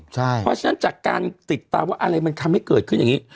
เพราะฉะนั้นจากการติดตามว่าอะไรมันทำให้เกิดขึ้นอย่างนี้